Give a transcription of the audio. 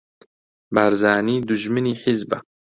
بارزانی دوژمنی حیزبە